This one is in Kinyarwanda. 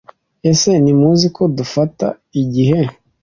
Ese ntimuzi ko dufata igihe